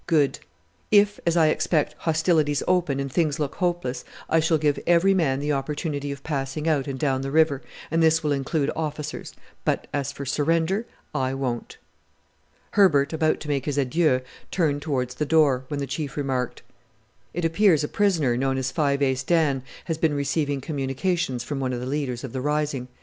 "Good! If, as I expect, hostilities open, and things look hopeless, I shall give every man the opportunity of passing out and down the river, and this will include officers but as for surrender, I won't." Herbert, about to make his adieu, turned towards the door, when the Chief remarked, "It appears a prisoner, known as Five Ace Dan, has been receiving communications from one of the leaders of the rising.